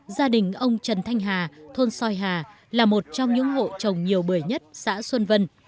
gia đình ông trần thanh hà thôn soi hà là một trong những hộ trồng nhiều bưởi nhất xã xuân vân